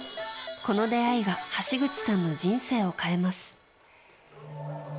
この出会いが橋口さんの人生を変えます。